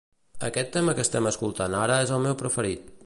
Aquest tema que estem escoltant ara és el meu preferit.